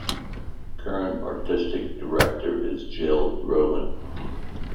Current Artistic Director is Gil Roman.